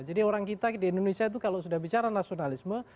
orang kita di indonesia itu kalau sudah bicara nasionalisme